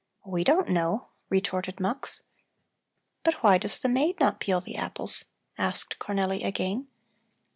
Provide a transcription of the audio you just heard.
"We don't know," retorted Mux. "But why does the maid not peel the apples?" asked Cornelli again.